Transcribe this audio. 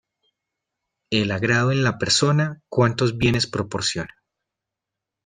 El agrado en la persona, cuantos bienes proporciona.